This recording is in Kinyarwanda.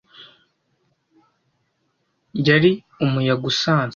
yari umuyaga usanzwe.